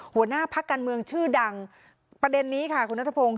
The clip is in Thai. หัวหน้าพักการเมืองชื่อดังประเด็นนี้ค่ะคุณนัทพงศ์